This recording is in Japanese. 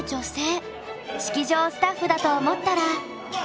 式場スタッフだと思ったら。